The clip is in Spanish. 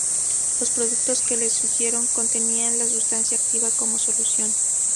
Los productos que le siguieron contenían la sustancia activa como solución.